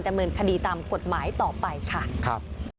ดำเนินคดีตามกฎหมายต่อไปค่ะครับ